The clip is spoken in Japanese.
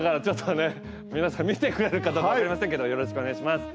皆さん見てくれるかどうか分かりませんけどよろしくお願いします。